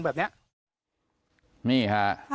เอาเป็นว่าอ้าวแล้วท่านรู้จักแม่ชีที่ห่มผ้าสีแดงไหม